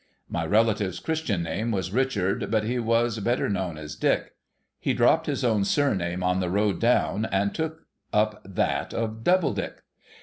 My relative's Christian name was Richard, but he was better known as Dick. He dropped his own surname on the road down, and took up that of Doubledick.